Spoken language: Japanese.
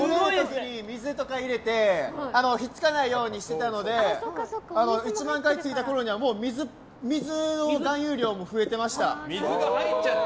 水とか入れて引っ付かないようにしてたので１万回ついたころにはもう水の含有量も増えてました。